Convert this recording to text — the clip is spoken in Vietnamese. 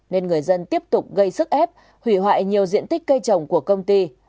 nên người dân tiếp tục gây sức ép hủy hoại nhiều diện tích cây trồng của công ty